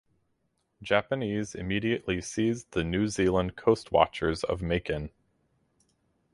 Japanese immediately seized the New Zealand Coastwatchers of Makin.